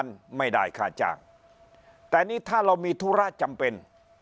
ไม่ได้ค่าจ้างแต่นี่ถ้าเรามีธุระจำเป็น